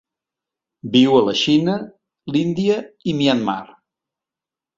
Viu a la Xina, l'Índia i Myanmar.